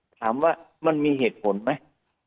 ถามว่ามันมีเหตุผลไหม